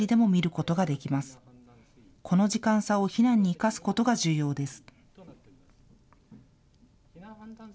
この時間差を避難に生かすことが重要です。